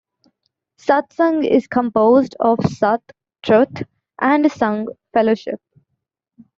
"Satsanga" is composed of Sat, truth and Sanga, fellowship.